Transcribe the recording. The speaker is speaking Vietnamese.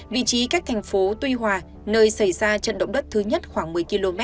vị trí cách thành phố tuy hòa nơi xảy ra trận động đất thứ nhất khoảng một mươi km